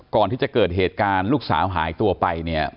ก่อนที่จะเกิดเหตุการณ์ลูกสาวหายตัวไปเนี่ย